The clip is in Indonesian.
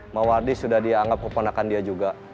mawardi sudah dianggap keponakan dia juga